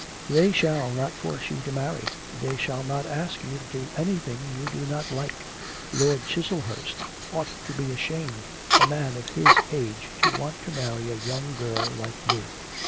'They shall not force you to marry, they shall not ask you to do anything you do not like. Lord Chiselhurst ought to be ashamed, a man of his age to want to marry a young girl like you.